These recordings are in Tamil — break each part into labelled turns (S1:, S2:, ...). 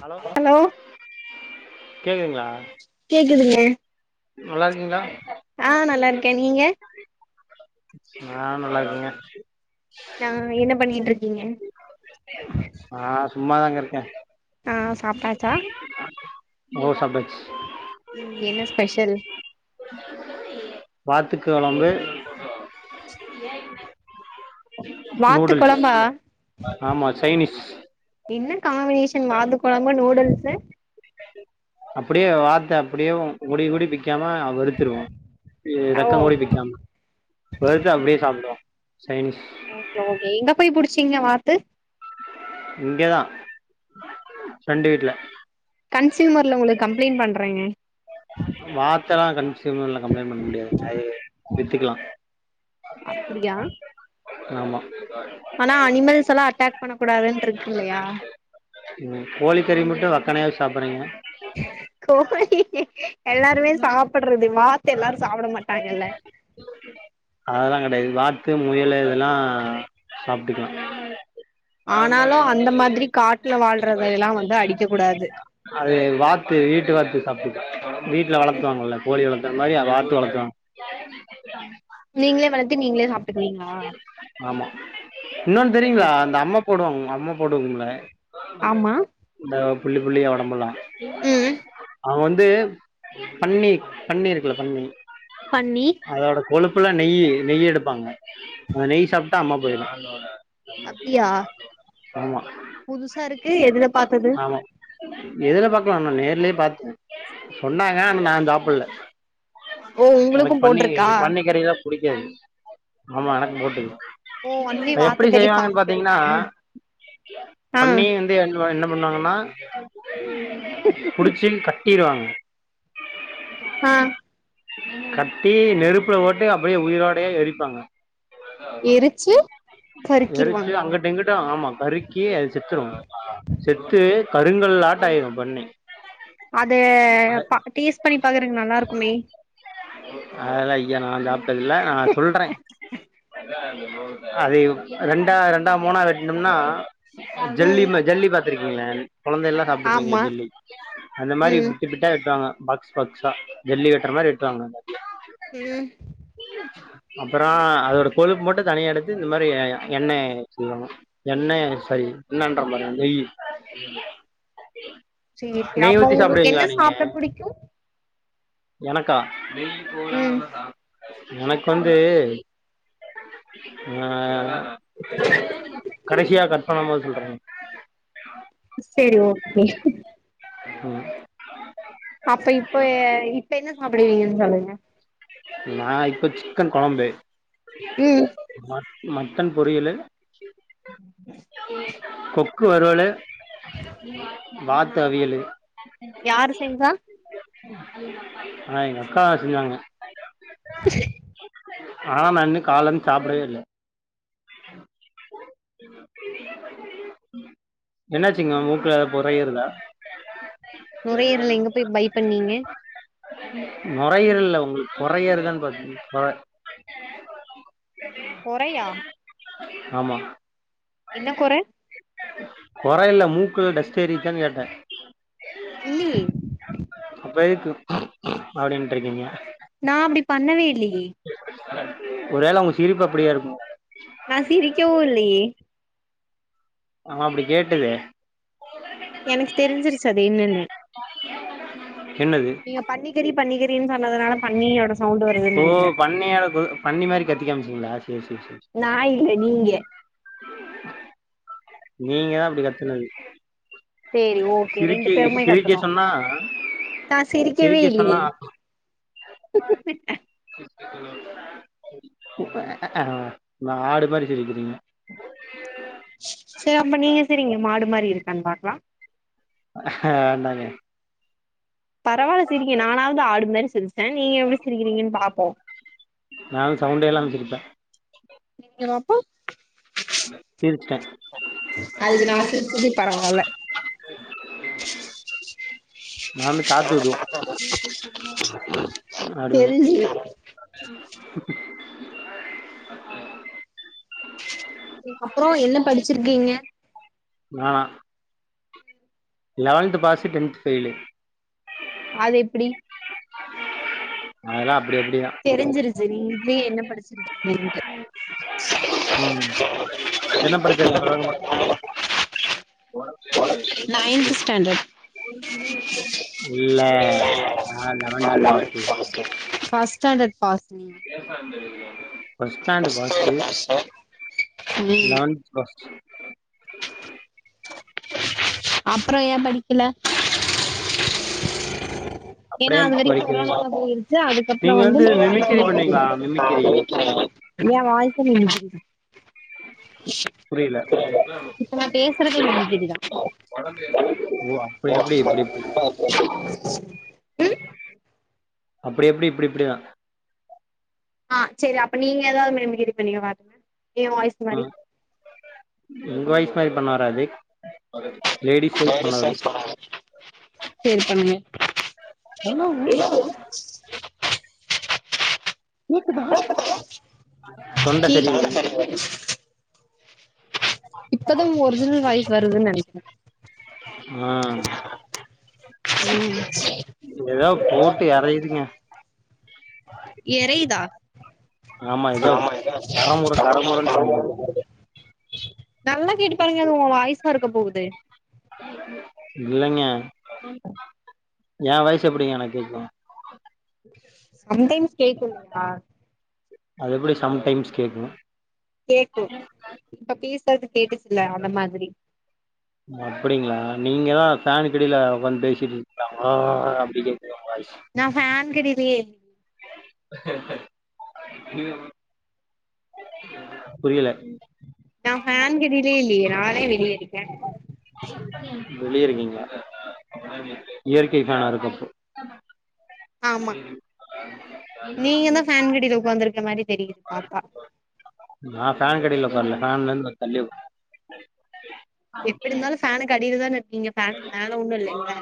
S1: ஹலோ கேக்குதுங்ளா
S2: கேக்குதுங்க
S1: நல்லார்க்கீங்களா
S2: ஆ நல்லா இருக்கே நீங்க
S1: நா நல்லார்க்கேங்க
S2: நா என்ன பண்ணிட்ருக்கீங்க
S1: [unintelligible] ஆ சும்மாதாங்க இருக்க
S2: ஆ சாப்ட்டாச்சா
S1: [unintelligible] ஓ சாப்ட்டாச்
S2: உம் என்ன ஸ்பெஷல்
S1: வாத்துக்குழம்பு [unintelligible]
S2: வாத்து
S1: நூடுல்ஸ்
S2: கொழம்பா
S1: ஆமா சைனீஸ்
S2: என்ன காம்பினேஷன் வாத்து கொழம்பு நூடுல்ஸ்சு
S1: அப்டியே வாத்து அப்டியேவும் முடிகூடி பிக்காம வருத்துருவோ இ
S2: ஓ
S1: ரெக்க முடி பிக்காம வருத்து அப்டியே சாப்டுவோ சைன்னீஸ்
S2: ஓகே ஓகே எங்க போய் புடிச்சீங்க வாத்து
S1: இங்கதான் ஃபிரெண்டு வீட்ல
S2: கன்சியூமர்ல ஒங்கள கம்ப்ளேண் பண்றங்க
S1: வாத்தெல்லா கன்சியூமர்ல கம்ப்ளேண் பண்ண முடியாது அது வித்துக்கலா
S2: அப்டியா
S1: ஆமா
S2: ஆனா அனிமல்ஸ்சலா அட்டாக் பண்ண கூடாதுன்ருக்கு இல்லையா
S1: ம் கோழிகறி மட்டும் வக்கனையா வச்சு சாப்றீங்க
S2: கோழி எல்லாருமே சாப்ட்றது வாத்து எல்லாரும் சாப்ட மாட்டாங்கல்ல
S1: அதெல்லா கெடையாது வாத்து முயல்லு இதெல்லா சாப்ட்டுக்கலாம்
S2: ஆனாலும் அந்த மாதிரி காட்டுல வாழ்றதையல்லா வந்து அடிக்க கூடாது
S1: அது வாத்து வீட்டு வாத்து சாப்ட்டு வீட்ல வளத்துவாங்கல்ல கோழி வளத்துற மாரி அ வாத்து வளத்துவாங் [unintelligible]
S2: நீங்களே வளத்து நீங்களே சாப்ட்டுக்குவீங்களா
S1: ஆமா இன்னொன்னு தெரியுங்களா
S2: ஓகே
S1: அந்த அம்ம போடுவாங்க அம்ம போடுவோம்ல
S2: ஆமா
S1: இந்த புள்ளி புள்ளியா ஒடம்புல்லா
S2: ம்
S1: அவன் வந்து பன்னி பன்னி இருக்குல்லா பன்னி
S2: பன்னி
S1: அதோட கொழுப்புல்லா நெய் நெய் எடுப்பாங்க அந்த நெய் சாப்ட்டா அம்ம போய்டும்
S2: அப்டியா புதுசா இருக்கு எதுல பாத்தது
S1: ஆமா எதுல பாக்கலாம் நா நேர்லயே பாத்தே கொன்னாங்க ஆனா நா ஜாப்பல்ல
S2: ஓ உங்களுக்கு
S1: எனக்கு பன்னி
S2: போட்ருக்கா
S1: பன்னிக்கறிலா புடிக்காது ஆமா எனக்கு போட்டுது
S2: ஓ ஒன்லி
S1: அத எப்டி
S2: வாத்துக்கறி
S1: செய்வாங்கன்னு
S2: பாம்பு கறி
S1: பாத்தீங்கன்னா
S2: தானா ஆ
S1: பன்னி [unintelligible] என் என்ன பண்ணுவாங்கன்னா புடிச்சி கட் டிறுவாங்க
S2: ஆ
S1: கட்டி நெருப்புல போட்டு அப்டியே உயிரோடையே எரிப்பாங்க
S2: எரிச்சு
S1: எரிச்சு
S2: கருக்கிருவாங்களா
S1: அங்குட்டு இங்குட்டு ஆமா கறிக் கி அது செத்துரும் செத்து கருங்கல் ஆட்டம் ஆயிரும் பன்னி
S2: அத பா டேஸ்ட் பண்ணி பாக்கறதுக்கு நல்லா இருக்குமே
S1: அதெல்லா ஐய்ய நா சாப்ட்டது இல்ல நா சொல்றே அது ரெண்டா ரெண்டா மூணா வெட்னும்னா ஜெல்லி
S2: ம்
S1: ம ஜெல்லி பாத்துருக்கீங்களா கொழந்தை எல்லா சாப்ட்ருபீங்ள
S2: ஆமா
S1: ஜெல்லி அந்த மாரி
S2: ம்
S1: பிட்டு பிட் ட்டா வெட்டுவாங்க பாக்ஸ் பாக்ஸா ஜெல்லி வெட்டுற மாரி வெட்டுவாங்க
S2: ம்
S1: அப்புறோ அதோட கொழுப்பு மட்டும் தனியா எடுத்து இந்த மாரி எண்ணெய் செய்வாங்க எண்ணெய் சை எண்ணென்ற பாரு நெய்யி
S2: சேரி சேரி அப்ப உங்களுக்கு
S1: சாப்டுவீங்களா
S2: என்ன
S1: நீங்க
S2: சாப்பிட பிடிக்கு
S1: எனக்கா
S2: ம்
S1: எனக்கு வந்து ஆ கடைசியா கட் பண்ணும் போது சொல்றே
S2: சேரி ஓகே
S1: ம்
S2: அப்ப இப்ப இப்ப என்ன சாப்டுவீங்க சொல்லுங்க
S1: நா இப்ப சிக்கன் கொழம்பு
S2: ம்
S1: ம மட்டன் பொரியலு
S2: உம்
S1: கொக்கு வருவலு
S2: ஆ
S1: வாத்து அவியலு
S2: யாரு செஞ்சா
S1: ஆனா எங்க அக்கா செஞ்சாங்க ஆனா நா இன்னு காலைல இருந்து சாப்டவே இல்ல என்னாச்சுங்க மூக்குல எதா பொற ஏருதா
S2: நுரையீரல் எங்க போய் பை பண்ணீங்க
S1: நுறையீரல் இல்ல உங்ளுக் பொறயேருதா பாத்த பொற
S2: கொறையா
S1: ஆமா
S2: என்ன கொற
S1: கொற இல்ல மூக்குள்ள டஸ்ட் ஏரிச்சான்னு கேட்டே
S2: இல்லியே
S1: அப்றோ எதுக்கு [unintelligible] அப்டின்ட்டு இருக்கீங்க
S2: நா அப்டி பண்ணவே இல்லியே
S1: ஒருவேள உங்க சிரிப்பு அப்டியா இருக்குமோ
S2: நா சிரிக்கவு இல்லியே
S1: ஆனா அப்டி கேட்டுதே
S2: எனக்கு தெரிஞ்சிருச்சு அது என்னன்னு
S1: என்னது
S2: நீங்க பன்னிக்கறி பன்னிக்கறின்னு சொன்னதுனால பன்னியோட சவுண்டு வரு
S1: ஓ பன்னி மாரி கத்த காமிச்சிங்ளா செரி செரி செரி
S2: நா இல்ல நீங்க
S1: நீங்க தா அப்டி கத்துனது
S2: சேரி ஓ ஓகே ரெண்டு
S1: சிரிக்க
S2: பேருமே
S1: சிரிக்க
S2: கத்துணோ
S1: சொன்னா
S2: நா சிரிக்கவே
S1: சிரிக்க
S2: இல்லியே
S1: சொன்னா ஆடு மாரி சிரிக்கிறீங்க
S2: செரி அப்ப நீங்க சிரிங்க மாடு மாரி இருக்கான்னு பாக்லா
S1: அ வேண்டாங்கே
S2: பரவால சிரிங்க நானாவது ஆடு மாரி சிரிச்சே நீங்க எப்டி சிரிக்கிறீங்கன்னு பாப்போ
S1: நானு சவுண்டே இல்லாம சிரிப்பே
S2: சிரிங்க பாப்போ
S1: சிரிச்சிட்டே
S2: அதுக்கு நா சிரிச்சதே பரவால்ல
S1: நாங்களு காத்து ஊதுவோ அப்டின்னு
S2: தெரிஞ்சுக்கலா
S1: ம்
S2: அப்றோ என்ன படிச்சிருக்கீங்க
S1: நானா லெவன்த்து பாசு டென்த் ஃபெயிலு
S2: அது எப்டி
S1: அதெல்லா அப்டி அப்டிதா
S2: தெரிஞ்சிருச்சு நீ இதுலேயே என்ன படிச்சிருக்கேன்ட்டு
S1: ம் என்ன படிச்சிருக்கே சொல்லுங்க பாக்கலா உனக்கும் என் தலையெழுத்து
S2: ஸ்டாண்டட்
S1: இல்ல நா லெவன்த் பாஸு
S2: ஃபஸ்ட் ஸ்டாண்டட் பாஸுங்
S1: பஸ்டாண்டு பாஸு
S2: ஸ்டாண்டர்ட் பாஸா ம்
S1: லெவன்த் பாஸ்
S2: அப்பறோ ஏ படிக்கல ஏன்னா
S1: அப்படியே
S2: அது வெரிக்கு
S1: படிக்கவே
S2: கொரோனால போயிருச்சு அதுக்கப்புறோ
S1: நீங்க
S2: வந்து நீ
S1: மிமிக்கிரி பண்ணுவீங்களா மிமிக்கிரி
S2: [unintelligible] ஏ வாய்க்கு [unintelligible]
S1: புரியில
S2: இப்ப நா பேசுறதே நின்னுக்குதுதா
S1: ஓ அப்ப எப்டி இப்புடி எப்டி
S2: ம்
S1: அப்டி எப்டி இப்டி இப்டிதா
S2: ஆ சேரி அப்ப நீங்க எதாவ்து மிமிக்ரி பண்ணுங்க பாக்கலா எ வாய்ஸ்
S1: அ
S2: மாரி
S1: உங்க வாய்ஸ் மாரி பண்ண வராது லேடிஸ் வாய்ஸ் பண்ண வரு
S2: சாங்ஸ் பாடுங்க சேரி பண்ணுங்க
S1: என்னது கேக்குதா தொண்ட செரியில்லங்க
S2: [inaudible] இப்பதா உங்க ஒரிஜினல் வாய்ஸ் வருதுன் நெனைக்கிறே
S1: ஆ
S2: ம்
S1: எதோ போட்டு எரையுதுங்க
S2: எரையிதா ஆமா
S1: கரமுர கரமுரன்னு சவுண்டு
S2: [unintelligible] நல்லா கேட்டு பாருங்க அது உங்க வாய்சா இருக்க போகுது
S1: இல்லைங்க ஏ வாய்ஸு எப்டிங்க எனக் கேக்கு
S2: சம் டைம்ஸ் கேக்குல்லையா
S1: அது எப்பிடி சம் டைம்ஸ் கேக்கு
S2: கேக்கு இப்ப பேசுறது கேட்டுச்சுல்ல அந்த மாதிரி
S1: அப்படிங்களா நீங்கதா ஃபேனுக்கடில உக்காந்து பேசிட்ருக்கிங்களா ஓன் ஓ ஓ அப்டி கேக்குது உங்க வாய்ஸ்
S2: நா ஃபேன்கடிலியே இல்லி
S1: புரியல
S2: நா ஃபேன் கடிலேயே இல்லேயே நானே வெளிய இருக்கே
S1: வெளிய இருக்கீங்ளா இயற்கை ஃபேனா இருக்கு அப்போ
S2: ஆமா நீங்க தா ஃபேனுக்கடியில உக்காந்துருக்க மாரி தெரியுது பாத்தா
S1: நா ஃபேனுக்கடில உக்கார்ல ஃபேன்லருந்து கொஞ்ச தள்ளி உக்
S2: எப்படிந்தாலு ஃபேனுக்கு அடில தான இருக்கீங்க ஃபேனுக்கு மேல ஒன்னு இல்லைல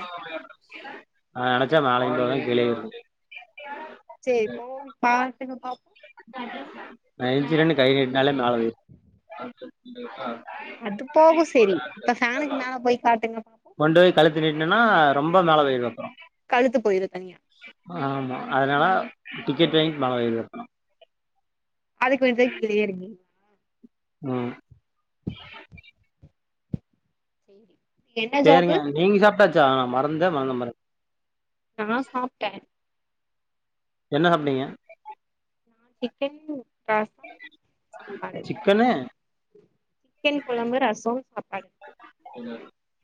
S1: நா நெனச்சா மேலயு போவே கீழயு இருப்பே
S2: செரி போய் காட்டுங்க பாப்போ
S1: நா ஏன்ச்சி கை நீட்டுனால மேல போய்ரு
S2: அது போகு செரி இப்ப ஃபேனுக்கு மேல போய் காட்டுங்க பாப்போ
S1: கொண்டோய் கழுத்த நீட்னன்னா ரொம்ப மேல போயிருவே அப்பறோ
S2: கழுத்து போயிரு தனியா
S1: ஆ ஆமா அதனால டிக்கெட் வாயின் மேல போயிருவே
S2: அதுக் கொஞ்சோ கீழயே இருங்க
S1: அ
S2: சேரி என்ன ஜாபு
S1: சேரிங்க நீங்க சாப்ட்டாச்சா நா மறந்தே மறந்த பாருங்
S2: நா சாப்ட்டே
S1: என்ன சாப்டீங்க
S2: நா சிக்கன் ரசம் சாப்பாடு
S1: சிக்கனு
S2: சிக்கன் கொழம்பு ரசோ சாப்பாடு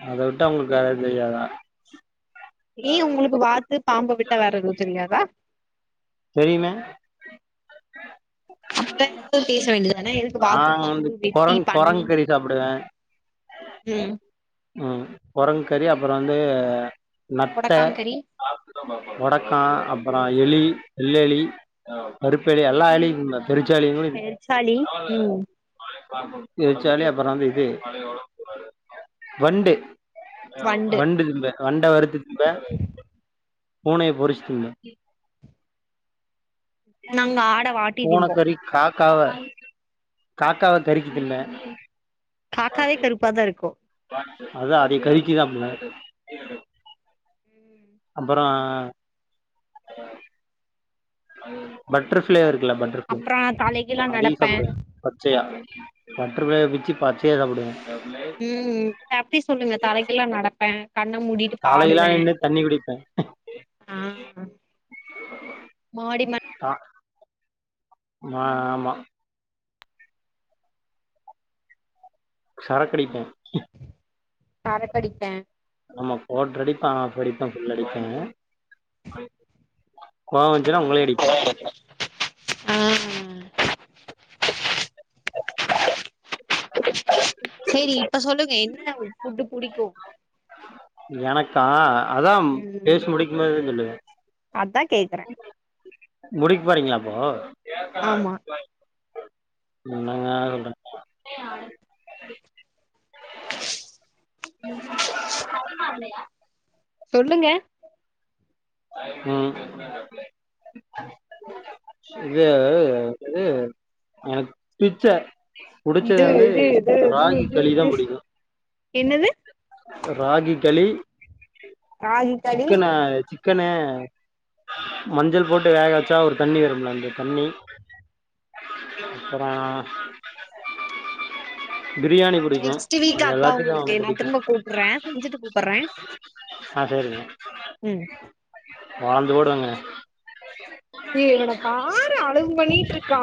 S1: அத வுட்டா உங்குள்க் வேற எது தெரியாதா
S2: ஏ உங்களுக்கு வாத்து பாம்ப விட்டா வேற எதுவு தெரியாதா
S1: தெரியுமே
S2: [inaudible] அப்ப ந்து பேச வேண்டி தானே எதுக்கு வாத்து
S1: நாங்க வந்து
S2: பாம்பு வெட்டி
S1: கொரங்
S2: பண்ணி
S1: கொரங்கு கறி சாப்டுவே
S2: ம்
S1: ம் கொரங்கு கறி அப்பற வந்து நத்த
S2: கொடக்காங்கறி
S1: ஒடக்கா அப்புற எலி வெள்ளெலி கருப்பு எலி எல்லா எலியு ல பெருச்சாலிங் கூட இருக்கு
S2: எச்சாளி ம்
S1: பெருச்சாலி அப்புற வந்து இது வண்டு வண்டு இம்ல வண்ட வறுத்து திம்பேன் பூனய பொருச்சு திம்பே
S2: நாங்க ஆட வாட்டி
S1: பூன
S2: திம்போ
S1: கறி காக்காவ காக்காவ கறிக்கு திம்பே
S2: காக்காவே கருப்பா தா இருக்கு
S1: அதா அதய கருக்கி சாப்டுவே அப்பறோ ஹ [inaudible] பட்டர்ஃபிளை இருக்குல பட்டர்ஃபிளை
S2: அப்றோ நா தலைகீழா
S1: அதையு
S2: நடப்பே
S1: சாப்புடுவே பச்சையா பட்டர்ஃப்ளைய பிச்சு பச்சையா சாப்டுவே
S2: ம் அப்டி சொல்லுங்க தலகீழா நடப்பே கண்ண மூடிட்டு
S1: காலையிலா
S2: பாடுவே
S1: நின்னு தண்ணி குடிப்பே
S2: ஆ மாடி ம
S1: [unintelligible] ஆ ஆமா சரக்கடிப்பே
S2: சரக்கடிப்பே
S1: ஆமா குவாட்டரு அடிப்பே ஆஃப் அடிப்பே புல் அடிப்பே கோவோ வந்துச்சுன்னா உங்களே அடிப்பே
S2: ஆ [inaudible]
S1: [inaudible]
S2: சேரி இப்ப சொல்லுங்க என்ன உ ஃபுட்டு் புடிக்கு
S1: எனக்கா அதாம்
S2: ம்
S1: பேசி முடிக்கு போது தா சொல்லுவே
S2: அதா கேக்குறே
S1: முடிக் போறீங்களா அப்போ
S2: ஆமா
S1: என்னங்க சொல்றே [inaudible] டைம் ஆகலயா
S2: சொல்லுங்க
S1: ம் இது அ து எனக் பிச்ச புடிச்சது
S2: இது
S1: வந்து
S2: இது இது இது
S1: ராகி
S2: இது
S1: களி தா
S2: இது
S1: புடிக்கு
S2: என்னது
S1: ராகி களி
S2: ராகி களி
S1: சிக்கன இக்கன மஞ்சள் போட்டு வேக வச்சா ஒரு தண்ணி வரும்ல அந்த தண்ணி
S2: ஓகே ஓகே
S1: அப்பறோ பிரியாணி புடிக்கு அது எல்லாத்துக்கு புடிக்கு
S2: றே செஞ்சுட்டு கூப்பற ம்
S1: பொளந்து புடுவேங்க
S2: ஏ இவன பாரு அலும் பண்ணிட்ருக்கா